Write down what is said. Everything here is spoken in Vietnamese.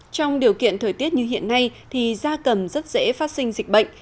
trong điều kiện thời tiết như hiện nay thì da cầm rất dễ phát sinh dịch bệnh